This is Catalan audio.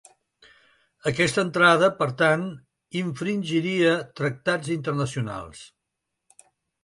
Aquesta entrada, per tant, infringiria tractats internacionals.